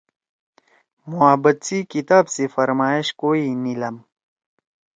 محبت سی کتاب سی فرمائش کوئی نیلم۔